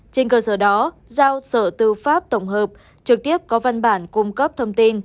trên cơ sở đó giao sở tư pháp tổng hợp trực tiếp có văn bản cung cấp thông tin